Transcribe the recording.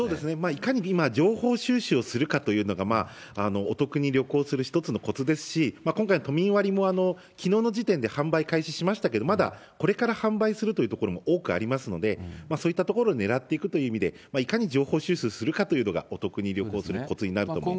いかに今、情報収集をするかというのが、お得に旅行する一つのこつですし、今回の都民割もきのうの時点で販売開始しましたけど、まだこれから販売するという多くありますので、そういったところを狙っていくという意味で、いかに情報収集するかというのが、お得に旅行するこつになると思います。